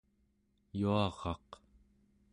yuaraq